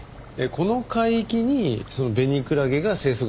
この海域にベニクラゲが生息してるんですか？